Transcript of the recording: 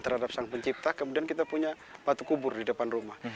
terhadap sang pencipta kemudian kita punya batu kubur di depan rumah